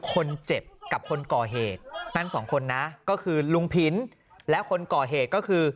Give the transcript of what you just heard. คนเจ็บกับคนก่อเหตุนั่งสองคนนะก็คือลุงผินและคนก่อเหตุก็คือ